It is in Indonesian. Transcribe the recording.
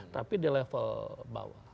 tapi di level bawah